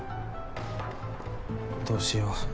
どうしよう。